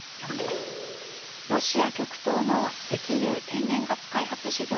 ロシア極東の石油天然ガス開発事業